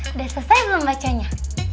sudah selesai belum bacanya